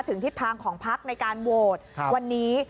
ถึงทิศทางของพักในการโวทธ์วันนี้